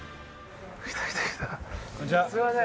すいません。